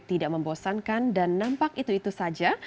tidak membosankan dan nampak itu itu saja